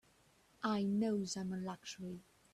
I knows I'm a luxury.